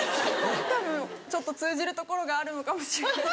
たぶんちょっと通じるところがあるのかもしれない。